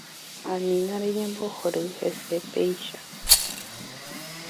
Anína reñembohory hese péicha.